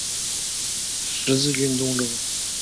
十字军东征。